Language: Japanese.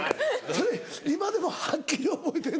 それ今でもはっきり覚えてんの？